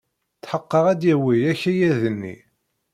Tḥeqqeɣ ad d-yawey akayad-nni.